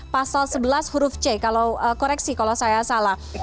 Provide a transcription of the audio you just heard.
pasal sebelas huruf c kalau koreksi kalau saya salah